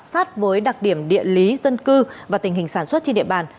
sát với đặc điểm địa lý dân cư và tình hình sản xuất trên địa bàn